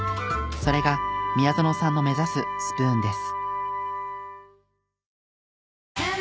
それが宮薗さんの目指すスプーンです。